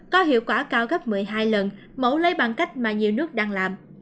có hiệu quả cao gấp một mươi hai lần mẫu lấy bằng cách mà nhiều nước đang làm